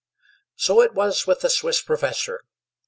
So it was with the Swiss professor.